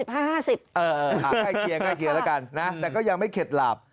ให้เคียงละกันนะแต่ยังไม่เข็ดหลาบ